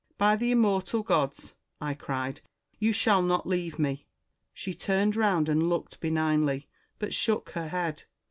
' By the immortal gods!' I cried, 'you shall not leave me!' She turned round and looked benignly ; but shook her head.